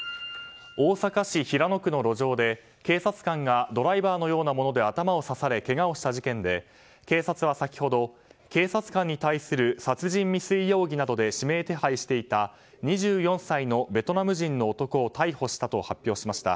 大阪市平野区の路上で、警察官がドライバーのようなもので頭を刺されけがをした事件で警察は先ほど警察官に対する殺人未遂容疑などで指名手配していた２４歳のベトナム人の男を逮捕したと発表しました。